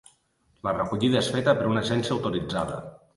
La recollida és feta per una agència autoritzada.